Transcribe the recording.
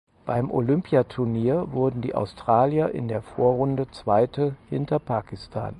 Beim Olympiaturnier wurden die Australier in der Vorrunde Zweite hinter Pakistan.